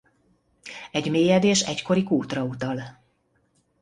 Egy mélyedés egykori kútra utal.